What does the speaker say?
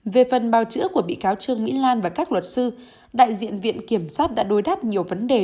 về phần bào chữa của bị cáo trương mỹ lan và các luật sư đại diện viện kiểm sát đã đối đáp nhiều vấn đề